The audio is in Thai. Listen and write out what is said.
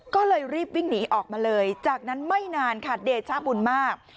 ก็เลยรีบวิ่งหนีออกมาเลยจากนั้นไม่นานค่ะเดชะบุญมาก